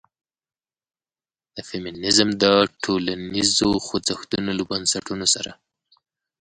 د فيمنيزم د ټولنيزو خوځښتونو له بنسټونو سره